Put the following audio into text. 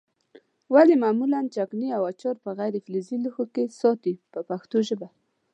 ولې معمولا چکني او اچار په غیر فلزي لوښو کې ساتي په پښتو ژبه.